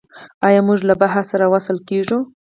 آیا موږ له بحر سره وصل کیږو؟